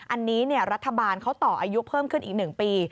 อันนี้รัฐบาลเขาต่ออายุเพิ่มขึ้นอีก๑ปี